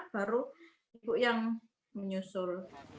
baru ibu yang menyusul